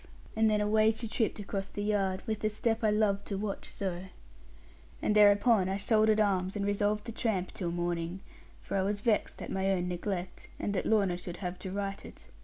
and then away she tripped across the yard, with the step I loved to watch so. And thereupon I shouldered arms, and resolved to tramp till morning. For I was vexed at my own neglect, and that Lorna should have to right it.